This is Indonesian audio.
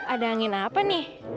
ada angin apa nih